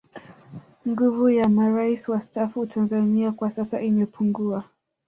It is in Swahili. nguvu ya marais wastaafu tanzania kwa sasa imepungua